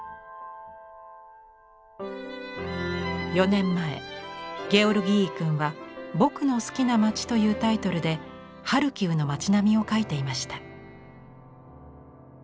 ４年前ゲオルギーイ君は「僕の好きな町」というタイトルでハルキウの町並みを描いていました。